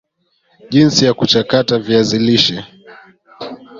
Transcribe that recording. jinsi ya kuchakata viazi lishe